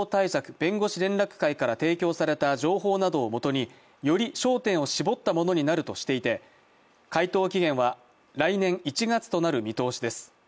弁護士連絡会から提供された情報などをもとにより焦点を絞ったものになるとしていて回答期限は来年１月となる見通しです。